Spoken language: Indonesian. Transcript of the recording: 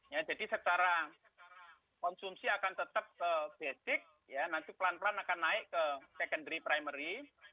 ya jadi secara konsumsi akan tetap basic ya nanti pelan pelan akan naik ke secondary primary